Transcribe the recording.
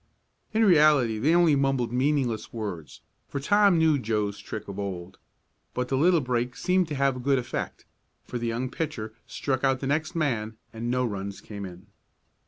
In reality they only mumbled meaningless words, for Tom knew Joe's trick of old. But the little break seemed to have a good effect, for the young pitcher struck out the next man and no runs came in.